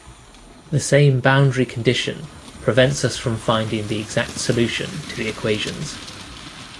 The same boundary condition prevents us from finding the exact solution to the equations.